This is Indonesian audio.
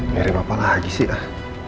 mirip apa lagi sih